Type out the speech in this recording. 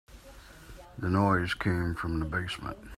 The noise came from the basement.